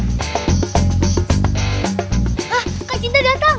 hah kak cinta datang